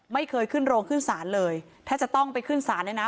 ไม่เคยขึ้นโรงขึ้นศาลเลยถ้าจะต้องไปขึ้นศาลเนี่ยนะ